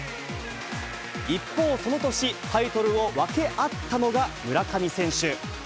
一方、その年、タイトルを分け合ったのが村上選手。